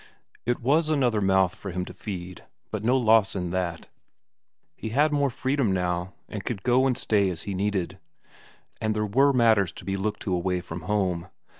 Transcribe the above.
It was another mouth for him to feed, but no loss in that; he had more freedom now, and could go and stay as he needed. And there were matters to be looked to away from home.